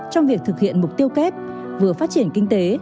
trong việc thực hiện mục tiêu kép vừa phát triển kinh tế